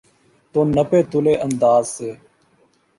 تو نپے تلے انداز سے۔